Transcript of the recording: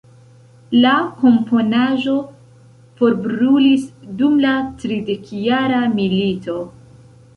La komponaĵo forbrulis dum la Tridekjara Milito.